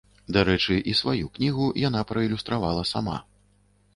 Дарэчы, і сваю кнігу яна праілюстравала сама.